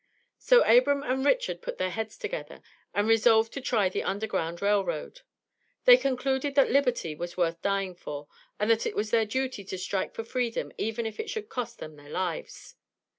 So Abram and Richard put their heads together, and resolved to try the Underground Rail Road. They concluded that liberty was worth dying for, and that it was their duty to strike for Freedom even if it should cost them their lives.